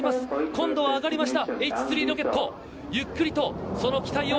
今度は上がりました。